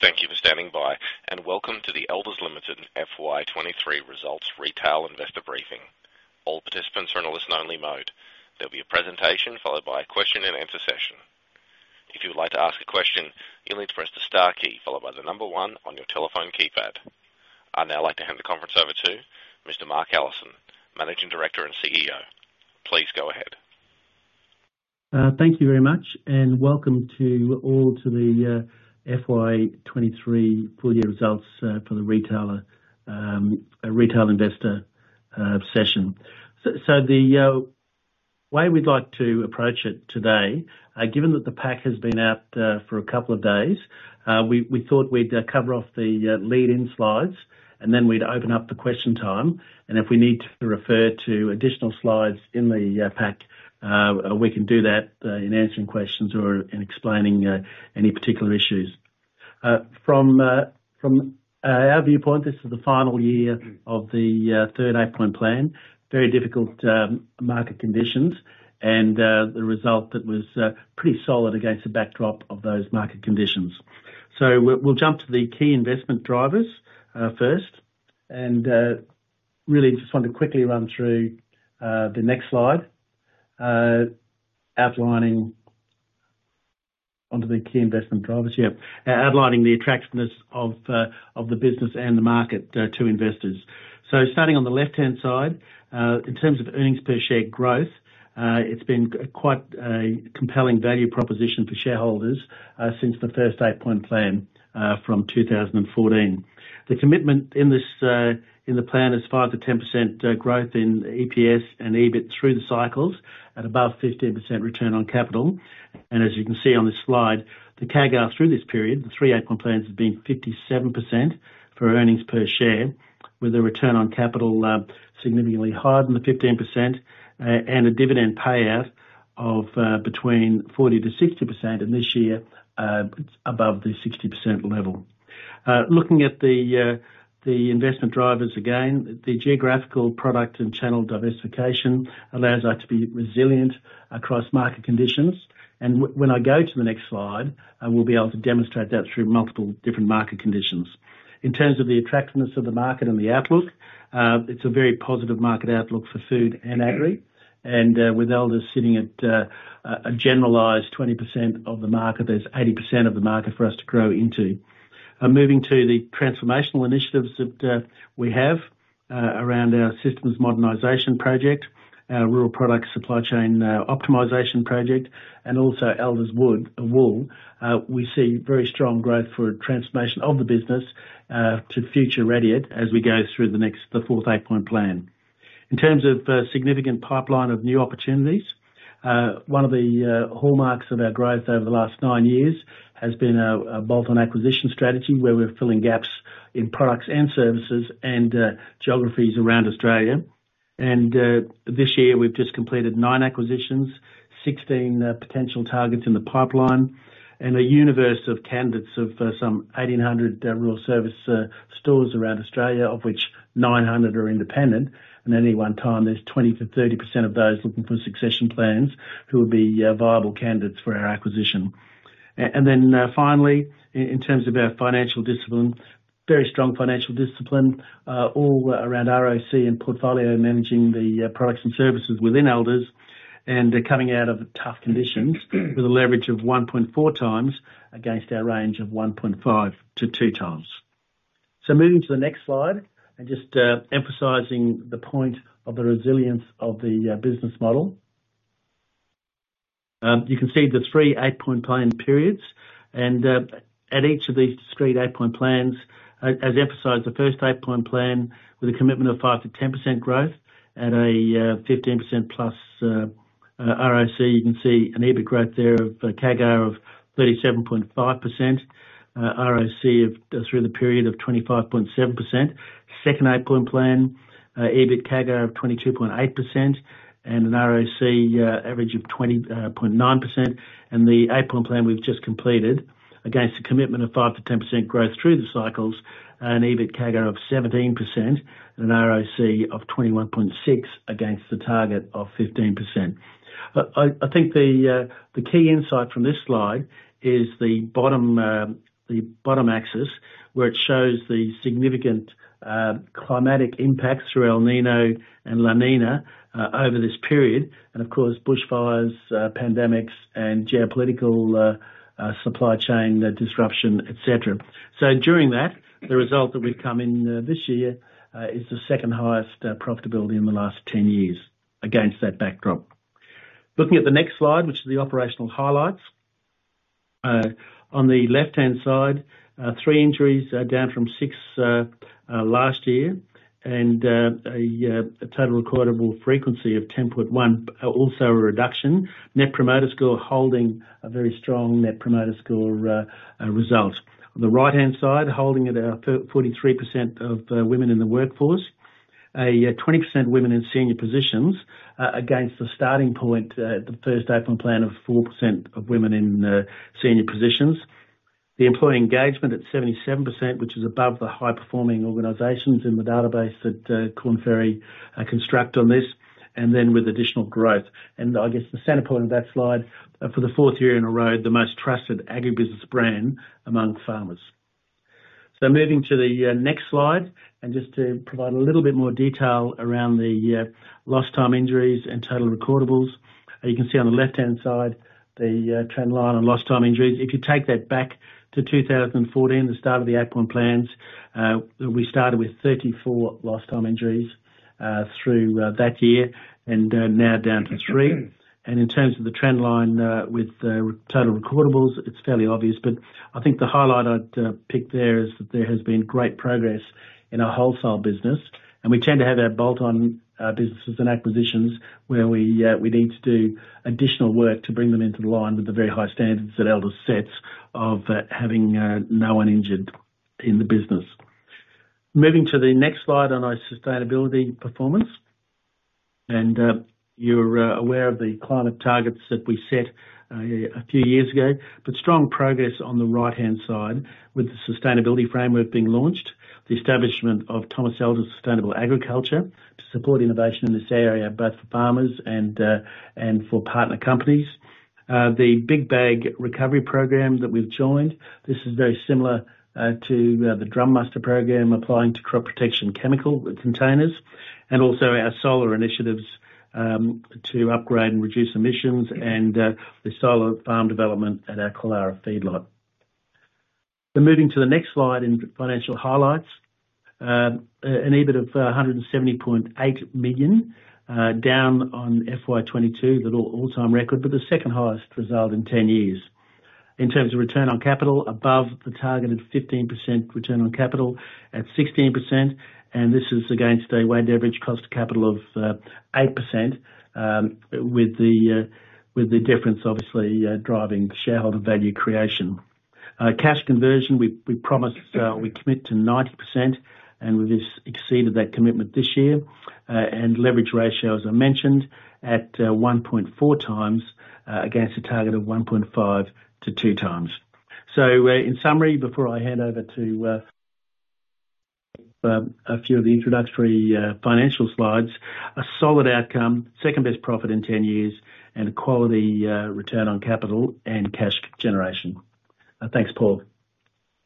Thank you for standing by, and welcome to the Elders Limited FY23 results retail investor briefing. All participants are in a listen-only mode. There'll be a presentation followed by a question and answer session. If you would like to ask a question, you'll need to press the star key followed by the number one on your telephone keypad. I'd now like to hand the conference over to Mr. Mark Allison, Managing Director and CEO. Please go ahead. Thank you very much, and welcome to all to the FY 2023 full year results for the retail investor session. So the way we'd like to approach it today, given that the pack has been out for a couple of days, we thought we'd cover off the lead-in slides, and then we'd open up the question time. If we need to refer to additional slides in the pack, we can do that in answering questions or in explaining any particular issues. From our viewpoint, this is the final year of the third Eight Point Plan, very difficult market conditions and the result that was pretty solid against the backdrop of those market conditions. So we'll jump to the key investment drivers first, and really just want to quickly run through the next slide outlining onto the key investment drivers, yeah. Outlining the attractiveness of the business and the market to investors. So starting on the left-hand side, in terms of earnings per share growth, it's been quite a compelling value proposition for shareholders since the first Eight Point Plan from 2014. The commitment in this plan is 5%-10% growth in EPS and EBIT through the cycles at above 15% return on capital. As you can see on this slide, the CAGR through this period, the three Eight Point Plans, have been 57% for earnings per share, with a return on capital significantly higher than the 15%, and a dividend payout of between 40%-60%, and this year, it's above the 60% level. Looking at the investment drivers again, the geographical product and channel diversification allows us to be resilient across market conditions. And when I go to the next slide, I will be able to demonstrate that through multiple different market conditions. In terms of the attractiveness of the market and the outlook, it's a very positive market outlook for food and agri. And with Elders sitting at a generalized 20% of the market, there's 80% of the market for us to grow into. Moving to the transformational initiatives that we have around our Systems Modernization project, our rural product supply chain optimization project, and also Elders Wool, we see very strong growth for a transformation of the business to future ready it as we go through the next, the fourth Eight Point Plan. In terms of significant pipeline of new opportunities, one of the hallmarks of our growth over the last nine years has been a bolt-on acquisition strategy, where we're filling gaps in products and services and geographies around Australia. This year, we've just completed nine acquisitions, 16 potential targets in the pipeline, and a universe of candidates of some 1,800 rural service stores around Australia, of which 900 are independent. At any one time, there's 20%-30% of those looking for succession plans who would be viable candidates for our acquisition. And then, finally, in terms of our financial discipline, very strong financial discipline all around ROC and portfolio, managing the products and services within Elders, and coming out of tough conditions with a leverage of 1.4 times against our range of 1.5-2 times. So moving to the next slide, and just emphasizing the point of the resilience of the business model. You can see the three Eight Point Plan periods, and at each of these discrete Eight Point Plans, as emphasized, the first Eight Point Plan with a commitment of 5%-10% growth at a 15%+ ROC, you can see an EBIT growth there of a CAGR of 37.5%, ROC through the period of 25.7%. Second Eight Point Plan, EBIT CAGR of 22.8% and an ROC average of 20.9%. And the Eight Point Plan we've just completed, against a commitment of 5%-10% growth through the cycles, an EBIT CAGR of 17% and an ROC of 21.6 against the target of 15%. I think the key insight from this slide is the bottom axis, where it shows the significant climatic impacts through El Niño and La Niña over this period, and of course, bushfires, pandemics, and geopolitical supply chain disruption, et cetera. So during that, the result that we've come in this year is the second highest profitability in the last 10 years against that backdrop. Looking at the next slide, which is the operational highlights. On the left-hand side, three injuries down from six last year, and a total recordable frequency of 10.1 also a reduction. Net Promoter Score, holding a very strong Net Promoter Score result. On the right-hand side, holding at 43% of women in the workforce, a 20% women in senior positions, against the starting point, the first open plan of 4% of women in senior positions. The employee engagement at 77%, which is above the high-performing organizations in the database that Korn Ferry construct on this, and then with additional growth. And I guess the center point of that slide, for the fourth year in a row, the most trusted agribusiness brand among farmers. So moving to the next slide, and just to provide a little bit more detail around the lost time injuries and total recordables. You can see on the left-hand side the trend line on lost time injuries. If you take that back to 2014, the start of the Eight Point Plans, we started with 34 lost time injuries through that year and now down to three. In terms of the trend line with total recordables, it's fairly obvious, but I think the highlight I'd pick there is that there has been great progress in our wholesale business. We tend to have our bolt-on businesses and acquisitions where we need to do additional work to bring them into line with the very high standards that Elders sets of having no one injured in the business. Moving to the next slide on our sustainability performance, and you're aware of the climate targets that we set a few years ago, but strong progress on the right-hand side with the sustainability framework being launched. The establishment of Thomas Elder Sustainable Agriculture to support innovation in this area, both for farmers and for partner companies. The Big Bag Recovery program that we've joined, this is very similar to the drumMUSTER program, applying to crop protection chemical containers, and also our solar initiatives to upgrade and reduce emissions and the solar farm development at our Killara feedlot. So moving to the next slide in financial highlights. An EBIT of 170.8 million, down on FY 2022, the all-time record, but the second highest result in 10 years. In terms of return on capital, above the targeted 15% return on capital at 16%, and this is against a weighted average cost of capital of 8%, with the difference, obviously, driving shareholder value creation. Cash conversion, we promised, we commit to 90%, and we've just exceeded that commitment this year. And leverage ratio, as I mentioned, at 1.4 times, against a target of 1.5-2 times. So, in summary, before I hand over to a few of the introductory financial slides, a solid outcome, second best profit in 10 years, and a quality return on capital and cash generation. Thanks, Paul.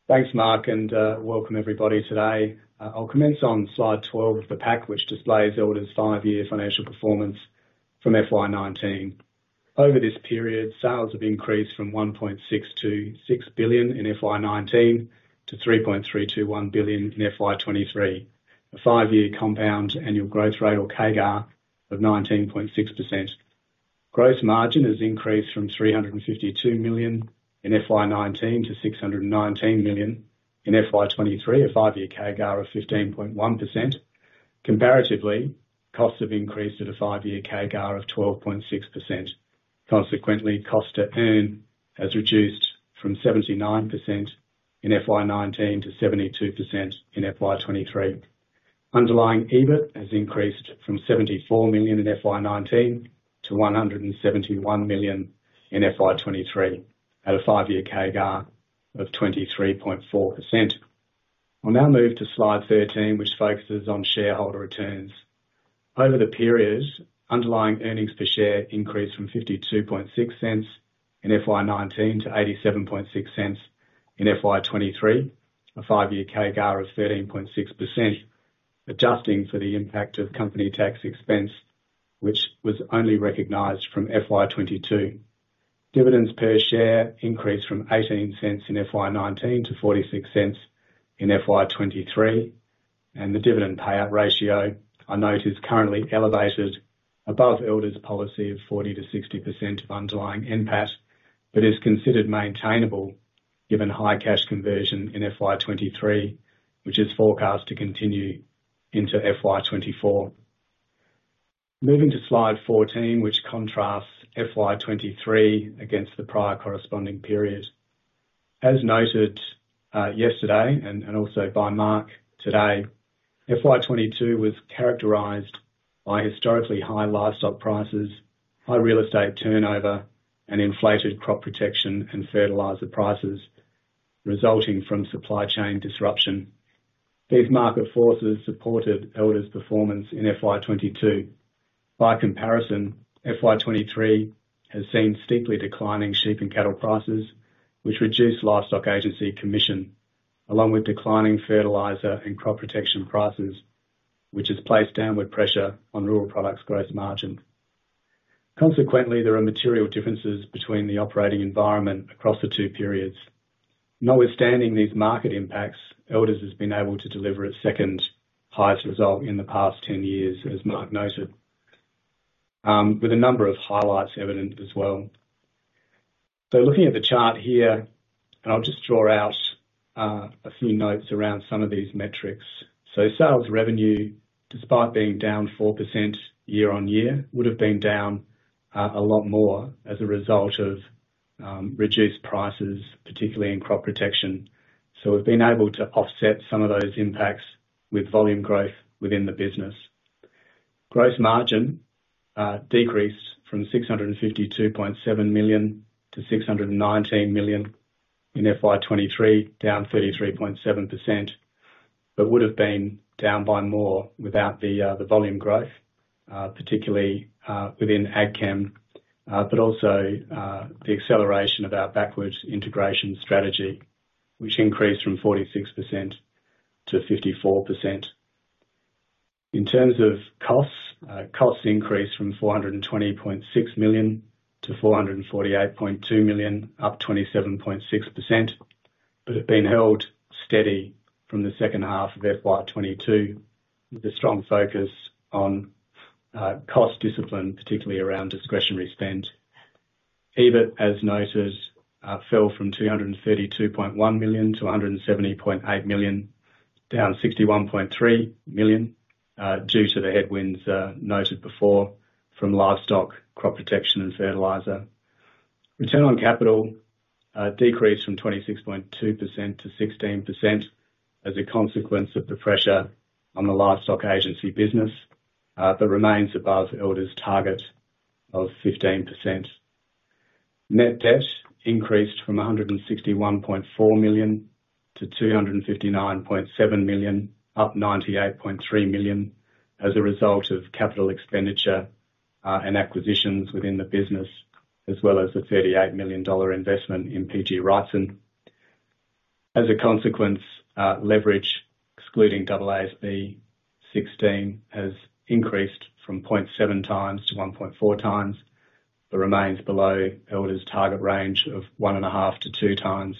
Thanks, Mark, and, welcome everybody today. I'll commence on slide 12 of the pack, which displays Elders' five-year financial performance from FY 2019. Over this period, sales have increased from 1.626 billion in FY 2019 to 3.321 billion in FY 2023. A five-year compound annual growth rate, or CAGR, of 19.6%. Gross margin has increased from 352 million in FY 2019 to 619 million in FY 2023, a five-year CAGR of 15.1%. Comparatively, costs have increased at a five-year CAGR of 12.6%. Consequently, cost to earn has reduced from 79% in FY 2019 to 72% in FY 2023. Underlying EBIT has increased from 74 million in FY 2019 to 171 million in FY 2023, at a five-year CAGR of 23.4%. I'll now move to slide 13, which focuses on shareholder returns. Over the periods, underlying earnings per share increased from 0.526 in FY 2019 to 0.876 in FY 2023, a five-year CAGR of 13.6%, adjusting for the impact of company tax expense, which was only recognized from FY 2022. Dividends per share increased from 0.18 in FY 2019 to 0.46 in FY 2023, and the dividend payout ratio, I note, is currently elevated above Elders' policy of 40%-60% of underlying NPAT, but is considered maintainable given high cash conversion in FY 2023, which is forecast to continue into FY 2024. Moving to Slide 14, which contrasts FY23 against the prior corresponding period. As noted yesterday and also by Mark today, FY22 was characterized by historically high livestock prices, high real estate turnover, and inflated crop protection and fertilizer prices resulting from supply chain disruption. These market forces supported Elders' performance in FY22. By comparison, FY23 has seen steeply declining sheep and cattle prices, which reduced livestock agency commission, along with declining fertilizer and crop protection prices, which has placed downward pressure on rural products' gross margins. Consequently, there are material differences between the operating environment across the two periods. Notwithstanding these market impacts, Elders has been able to deliver its second-highest result in the past 10 years, as Mark noted, with a number of highlights evident as well. So looking at the chart here, and I'll just draw out a few notes around some of these metrics. So sales revenue, despite being down 4% year-on-year, would have been down a lot more as a result of reduced prices, particularly in crop protection. So we've been able to offset some of those impacts with volume growth within the business. Gross margin decreased from 652.7 million to 619 million in FY 2023, down 33.7%... but would have been down by more without the volume growth, particularly within AgChem, but also the acceleration of our backward integration strategy, which increased from 46% to 54%. In terms of costs, costs increased from 420.6 million to 448.2 million, up 27.6%, but have been held steady from the second half of FY 2022, with a strong focus on cost discipline, particularly around discretionary spend. EBIT, as noted, fell from 232.1 million to 170.8 million, down 61.3 million, due to the headwinds noted before from livestock, crop protection, and fertilizer. Return on capital decreased from 26.2% to 16% as a consequence of the pressure on the livestock agency business, but remains above Elders' target of 15%. Net debt increased from 161.4 million to 259.7 million, up 98.3 million, as a result of capital expenditure and acquisitions within the business, as well as the 38 million dollar investment in PGG Wrightson. As a consequence, leverage, excluding AASB 16, has increased from 0.7x to 1.4x, but remains below Elders' target range of 1.5x-2x.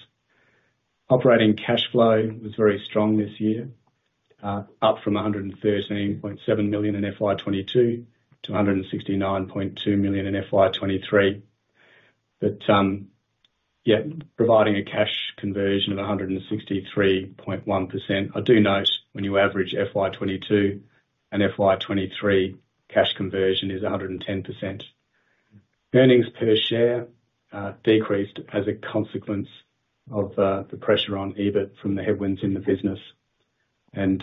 Operating cash flow was very strong this year, up from 113.7 million in FY 2022 to 169.2 million in FY 2023. Providing a cash conversion of 163.1%. I do note, when you average FY 2022 and FY 2023, cash conversion is 110%. Earnings per share decreased as a consequence of the pressure on EBIT from the headwinds in the business. In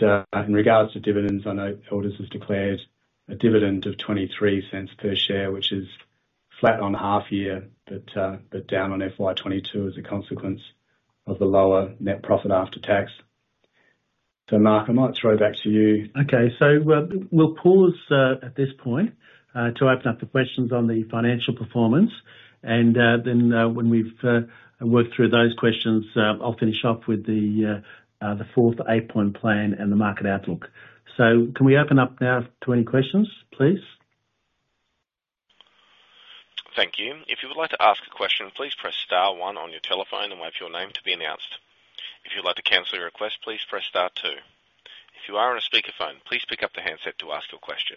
regards to dividends, I know Elders has declared a dividend of 0.23 per share, which is flat on half year, but down on FY 2022 as a consequence of the lower net profit after tax. Mark, I might throw back to you. Okay. So, we'll pause at this point to open up the questions on the financial performance, and then, when we've worked through those questions, I'll finish off with the fourth Eight Point Plan and the market outlook. So can we open up now to any questions, please? Thank you. If you would like to ask a question, please press star one on your telephone and wait for your name to be announced. If you'd like to cancel your request, please press star two. If you are on a speakerphone, please pick up the handset to ask your question.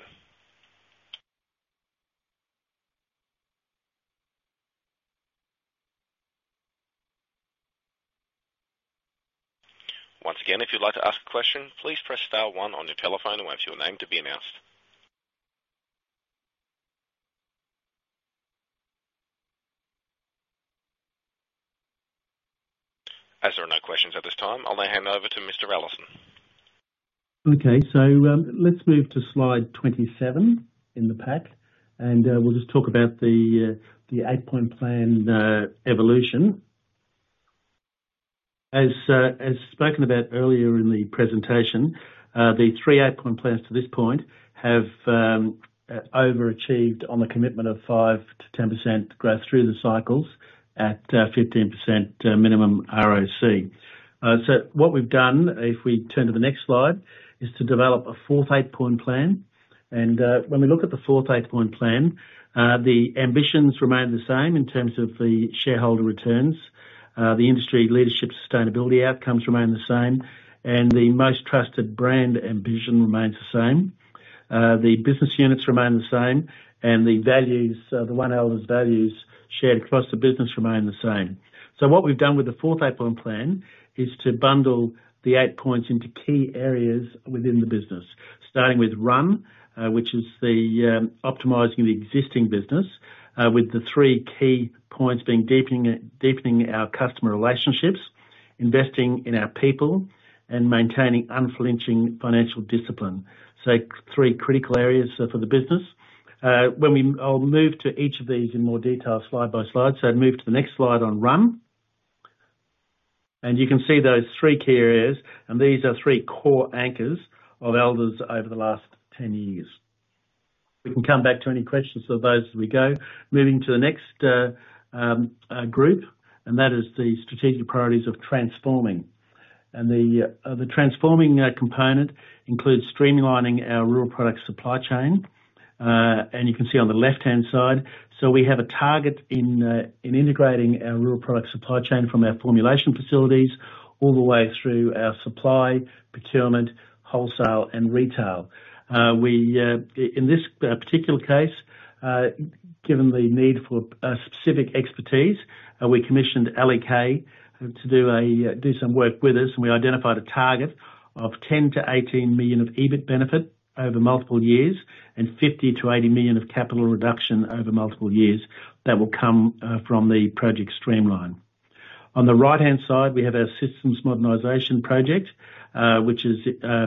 Once again, if you'd like to ask a question, please press star one on your telephone and wait for your name to be announced. As there are no questions at this time, I'll now hand over to Mr. Allison. Okay, so, let's move to slide 27 in the pack, and we'll just talk about the Eight Point Plan evolution. As spoken about earlier in the presentation, the three Eight Point Plans to this point have overachieved on the commitment of 5%-10% growth through the cycles at 15% minimum ROC. So what we've done, if we turn to the next slide, is to develop a fourth Eight Point Plan. And when we look at the fourth Eight Point Plan, the ambitions remain the same in terms of the shareholder returns. The industry leadership sustainability outcomes remain the same, and the most trusted brand ambition remains the same. The business units remain the same, and the values, the One Elders values shared across the business remain the same. So what we've done with the fourth Eight Point Plan is to bundle the eight points into key areas within the business. Starting with Run, which is the optimizing the existing business, with the three key points being: deepening our customer relationships, investing in our people, and maintaining unflinching financial discipline. So three critical areas for the business. I'll move to each of these in more detail, slide by slide. So move to the next slide on Run. And you can see those three key areas, and these are three core anchors of Elders over the last 10 years. We can come back to any questions of those as we go. Moving to the next group, and that is the strategic priorities of transforming. The transforming component includes streamlining our rural product supply chain, and you can see on the left-hand side. So we have a target in integrating our rural product supply chain from our formulation facilities, all the way through our supply, procurement, wholesale, and retail. In this particular case, given the need for specific expertise, we commissioned L.E.K. to do some work with us, and we identified a target of 10-18 million of EBIT benefit over multiple years, and 50-80 million of capital reduction over multiple years. That will come from the Project Streamline. On the right-hand side, we have our Systems Modernization project, which is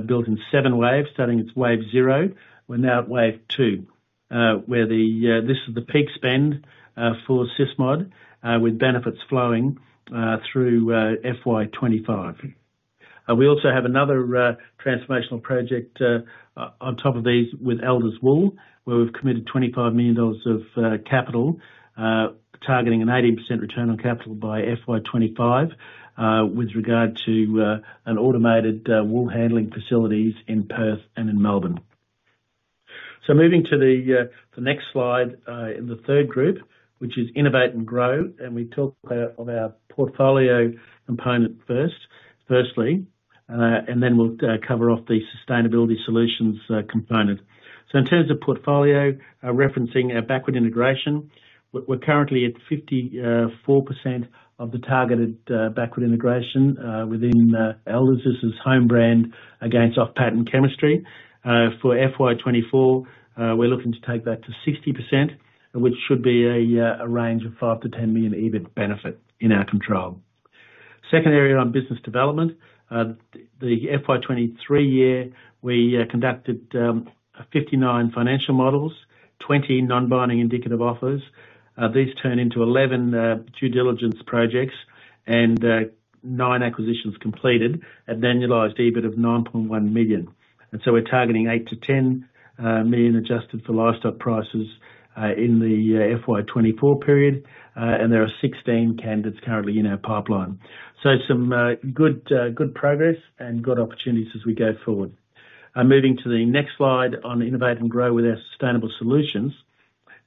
built in seven waves, starting with wave zero. We're now at wave two. This is the peak spend for SysMod with benefits flowing through FY 2025. We also have another transformational project on top of these with Elders Wool, where we've committed 25 million dollars of capital, targeting an 80% return on capital by FY 2025, with regard to an automated wool handling facilities in Perth and in Melbourne. So moving to the next slide in the third group, which is Innovate and Grow. And we talk of our portfolio component first, firstly, and then we'll cover off the sustainability solutions component. So in terms of portfolio, referencing our backward integration, we're currently at 54% of the targeted backward integration within Elders' home brand against off-patent chemistry. For FY 2024, we're looking to take that to 60%, which should be a range of 5-10 million EBIT benefit in our control. Second area on business development, the FY 2023 year, we conducted 59 financial models, 20 non-binding indicative offers. These turn into 11 due diligence projects and 9 acquisitions completed at annualized EBIT of 9.1 million. And so we're targeting 8-10 million adjusted for livestock prices in the FY 2024 period. And there are 16 candidates currently in our pipeline. So some good progress and good opportunities as we go forward. Moving to the next slide on Innovate and Grow with our sustainable solutions.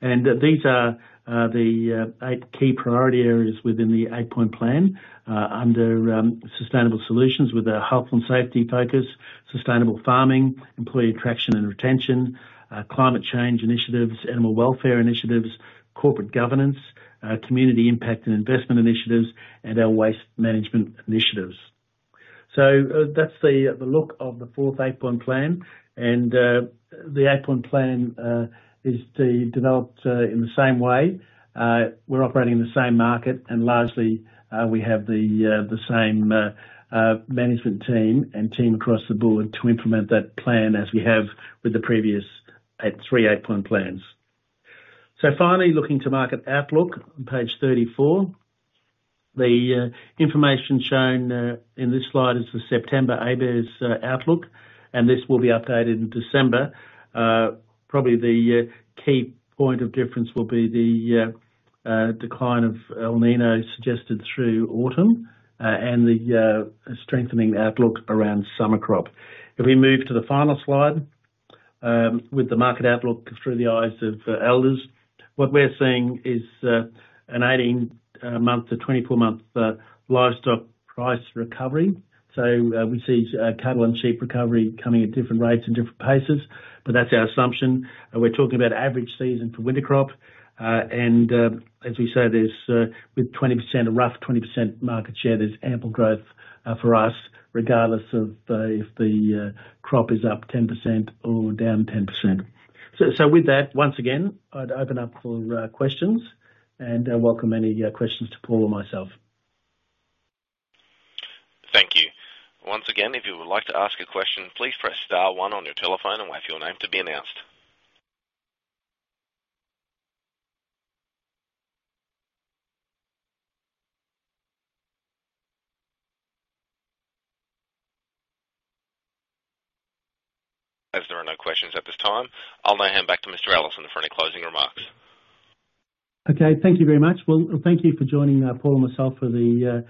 These are the eight key priority areas within the Eight Point Plan, under sustainable solutions with a health and safety focus, sustainable farming, employee attraction and retention, climate change initiatives, animal welfare initiatives, corporate governance, community impact and investment initiatives, and our waste management initiatives. So, that's the look of the fourth Eight Point Plan. The Eight Point Plan is the developed in the same way. We're operating in the same market, and largely, we have the same management team and team across the board to implement that plan, as we have with the previous three Eight Point Plans. So finally, looking to market outlook on page 34. The information shown in this slide is the September ABARES outlook, and this will be updated in December. Probably the key point of difference will be the decline of El Niño suggested through autumn and the strengthening outlook around summer crop. If we move to the final slide with the market outlook through the eyes of Elders, what we're seeing is an 18-month to 24-month livestock price recovery. So, we see cattle and sheep recovery coming at different rates and different paces, but that's our assumption. And we're talking about average season for winter crop. And as we say, there's, with 20%, a rough 20% market share, there's ample growth for us, regardless of the... if the crop is up 10% or down 10%. So with that, once again, I'd open up for questions and welcome any questions to Paul or myself. Thank you. Once again, if you would like to ask a question, please press star one on your telephone and wait for your name to be announced. As there are no questions at this time, I'll now hand back to Mr. Allison for any closing remarks. Okay, thank you very much. Well, thank you for joining Paul and myself for the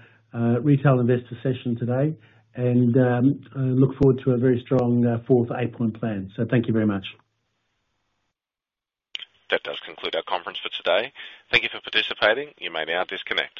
retail investor session today. I look forward to a very strong fourth Eight Point Plan. So thank you very much. That does conclude our conference for today. Thank you for participating. You may now disconnect.